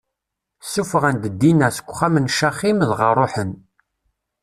Ssufɣen-d Dina seg uxxam n Caxim, dɣa ṛuḥen.